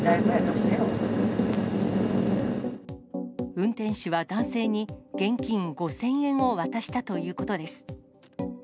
運転手は男性に、現金５０００円を渡したということです。